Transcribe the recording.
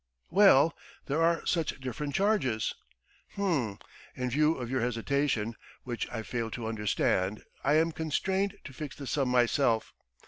"Well, there are such different charges." "H'm. In view of your hesitation, which I fail to understand, I am constrained to fix the sum myself.